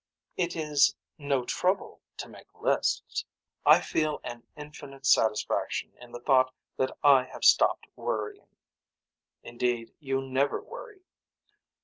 It is no trouble to make lists. I feel an infinite satisfaction in the thought that I have stopped worrying. Indeed you never worry.